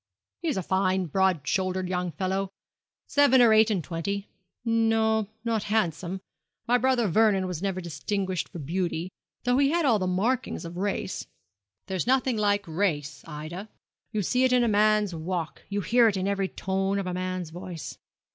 'He is a fine, broad shouldered young fellow seven or eight and twenty. No, not handsome my brother Vernon was never distinguished for beauty, though he had all the markings of race. There is nothing like race, Ida; you see it in a man's walk; you hear it in every tone of a man's voice.'